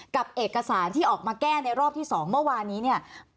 กับเอกสารที่ออกมาแก้ในรอบที่๒เมื่อวานนี้เนี่ย